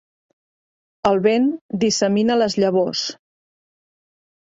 El vent dissemina les llavors.